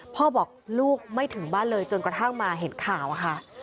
พ่อบอกลูกไม่ถึงบ้านเลยจนกระทั่งมาเห็นข่าวอะค่ะ